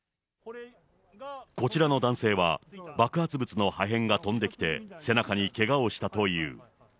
こちらの男性は、爆発物の破片が飛んできて、背中にけがをしたという。